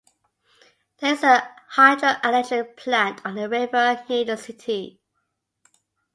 There is a hydroelectric plant on the river near the city.